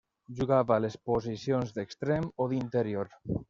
Jugava a les posicions d'extrem o d'interior.